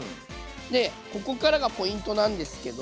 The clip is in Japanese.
でここからがポイントなんですけど。